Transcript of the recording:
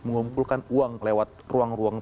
mengumpulkan uang lewat ruang ruang